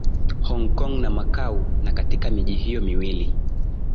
Hongkong na Macau na Katika miji hiyo miwili